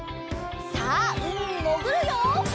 さあうみにもぐるよ！